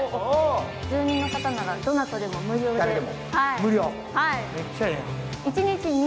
住人の方ならどなたでも無料で。